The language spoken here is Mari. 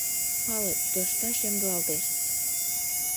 Пале, тӧршташ ямдылалтеш...